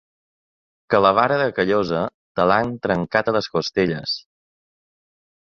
Que la vara de Callosa te l’han trencat a les costelles.